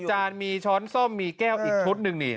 จานมีช้อนส้มมีแก้วอีกชุดหนึ่งนี่